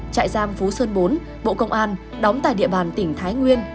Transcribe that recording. trại giam phú sơn bốn bộ công an đóng tại địa bàn tỉnh thái nguyên